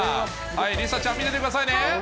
梨紗ちゃん、見ててくださいね。